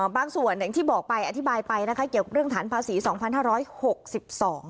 บางส่วนอย่างที่บอกไปอธิบายไปนะคะเกี่ยวกับเรื่องฐานภาษีสองพันห้าร้อยหกสิบสอง